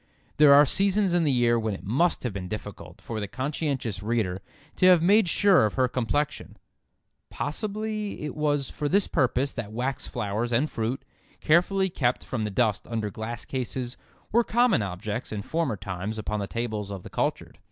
There are seasons in the year when it must have been difficult for the conscientious reader to have made sure of her complexion. Possibly it was for this purpose that wax flowers and fruit, carefully kept from the dust under glass cases, were common objects in former times upon the tables of the cultured.